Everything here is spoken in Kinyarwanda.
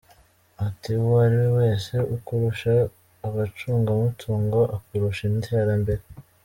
Ati “Uwo ari we wese ukurusha abacungamutungo, akurusha iterambere.